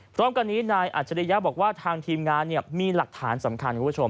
ตรงกันนี้นายอัจฉริยะบอกว่าทางทีมงานมีหลักฐานสำคัญ